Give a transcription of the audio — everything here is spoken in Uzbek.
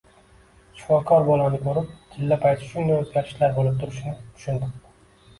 Shifokor bolani ko`rib, chilla payti shunday o`zgarishlar bo`lib turishini tushuntirdi